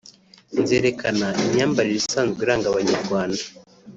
nzerekana imyambarire isanzwe iranga Abanyarwanda…”